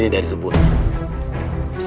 ini ada di al quran kami